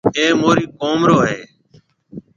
اَي مهورِي قوم رو هيَ۔